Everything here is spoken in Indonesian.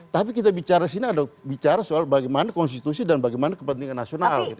tapi kita bicara di sini ada bicara soal bagaimana konstitusi dan bagaimana kepentingan nasional